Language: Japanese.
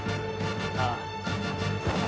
ああ。